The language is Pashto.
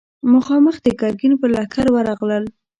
مخامخ د ګرګين پر لښکر ورغلل.